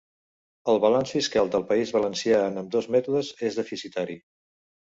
El balanç fiscal del País Valencià en ambdós mètodes és deficitari.